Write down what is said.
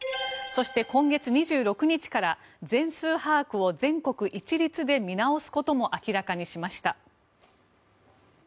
そして、今月２６日から全数把握を全国一律で見直すことも明らかにしました。